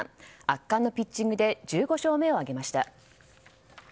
圧巻のピッチングで１５勝目を挙げました。